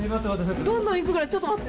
どんどん行くからちょっと待って！